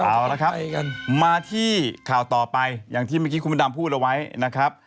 เอาละครับมาที่ข่าวต่อไปอย่างที่เมื่อกี้คุณพระดำพูดเอาไว้นะครับ